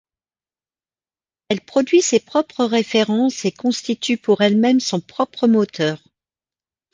Elle produit ses propres références et constitue pour elle-même son propre moteur.